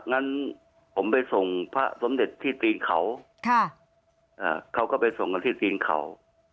งั้นผมไปส่งพระสมเด็จที่ตีนเขาเขาก็ไปส่งกันที่ตีนเขา